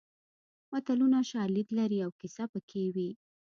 متلونه شالید لري او کیسه پکې وي